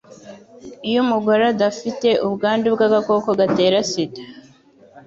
iyo umugore adafite ubwandu bw agakoko gatera sida